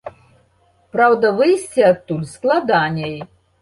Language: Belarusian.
Праўда, выйсці адтуль складаней.